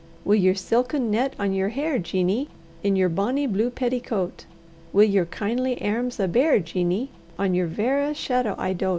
] Wi' yer silken net on yer hair, Jeanie, In yer bonny blue petticoat, Wi' yer kindly airms a' bare, Jeanie, On yer verra shadow I doat.